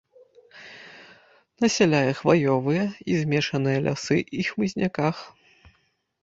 Насяляе хваёвыя і змешаныя лясы і хмызняках.